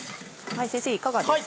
先生いかがですか？